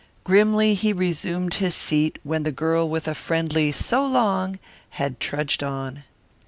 Grimly he resumed his seat when the girl with a friendly "So long!" had trudged on.